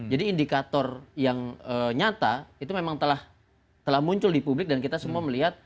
jadi indikator yang nyata itu memang telah muncul di publik dan kita semua melihat